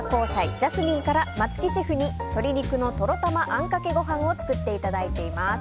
ＪＡＳＭＩＮＥから松木シェフに鶏肉のとろたまあんかけご飯を作っていただいています。